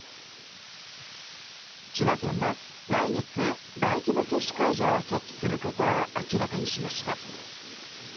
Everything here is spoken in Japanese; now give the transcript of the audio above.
千葉県も来月大規模接種会場を設置することを明らかにしました。